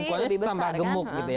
kecuali tambah gemuk gitu ya